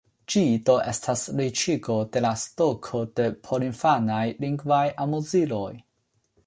Ĝi do estas riĉigo de la stoko de porinfanaj lingvaj amuziloj.